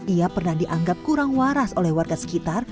ia pernah dianggap kurang waras oleh warga sekitar